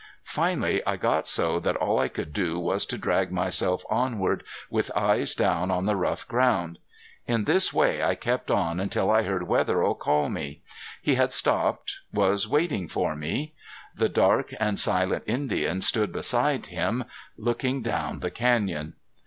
Finally I got so that all I could do was to drag myself onward with eyes down on the rough ground. In this way I kept on until I heard Wetherill call me. He had stopped was waiting for me. The dark and silent Indian stood beside him, looking down the canyon.